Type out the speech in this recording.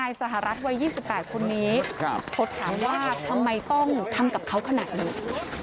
อยู่เหนื่อยอยู่เหนื่อยอยู่เหนื่อย